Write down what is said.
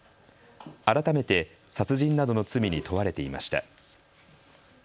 改めて殺人などの罪に問われていました。